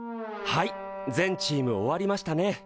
はい全チーム終わりましたね。